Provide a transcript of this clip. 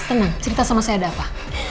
tenang cerita sama saya ada apa